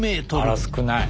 あら少ない。